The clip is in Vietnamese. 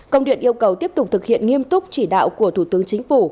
công điện yêu cầu tiếp tục thực hiện nghiêm túc chỉ đạo của thủ tướng chính phủ